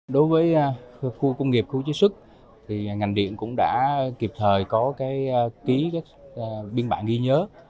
đối với khu công nghiệp khu chế sức thì ngành điện cũng đã kịp thời có ký các biên bản ghi nhớ